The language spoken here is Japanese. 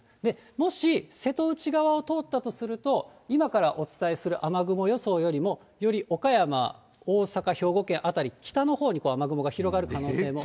もし、瀬戸内側を通ったとすると、今からお伝えする雨雲予想よりもより岡山、大阪、兵庫県辺り、北のほうに雨雲が広がるという可能性も。